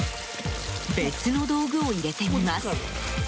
別の道具を入れてみます。